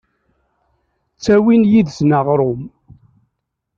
Ttawin yid-sen aɣrum…